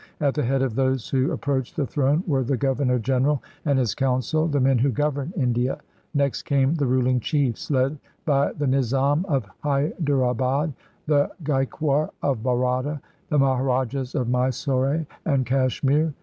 At the head of those who approached the throne were the Governor General and his Council, the men who govern India. Next came the ruling chiefs, led by the Nizam of Hyderabad, the Gaekwar of Baroda, the Maharajahs of Mysore and Cashmere.